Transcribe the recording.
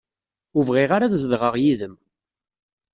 Ur bɣiɣ ara ad zedɣeɣ yid-m.